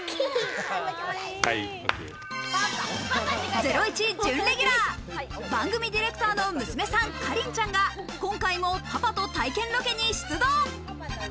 ゼロイチ準レギュラー、番組ディレクターの娘さん・かりんちゃんが、今回もパパと体験ロケに出動。